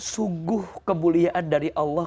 sungguh kemuliaan dari allah